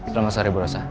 selamat sore bu rosa